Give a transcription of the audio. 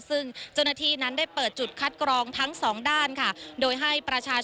ซึ่งเจ้าหน้าที่นั้นได้เปิดจุดคัดกรองทั้ง๒ด้านค่ะ